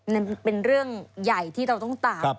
นั่นเป็นเรื่องใหญ่ที่เราต้องตาม